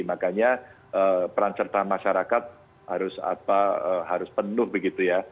makanya perancertan masyarakat harus penuh begitu ya